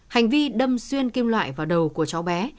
hành vi đâm xuyên kim loại vào đầu của cháu bé